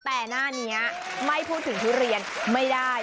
แต่หน้านี้ไม่พูดถึงทุเรียนไม่ได้